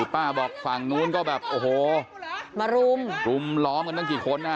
ป้าบอกฝั่งนู้นก็แบบโอ้โหมารุมรุมล้อมกันตั้งกี่คนนะ